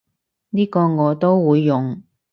呢個我都會用